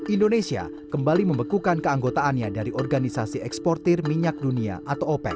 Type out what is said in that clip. indonesia kembali membekukan keanggotaannya dari organisasi eksportir minyak dunia atau open